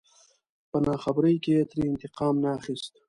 په ناخبرۍ کې يې ترې انتقام نه اخست.